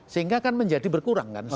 sehingga kan menjadi berkurang kan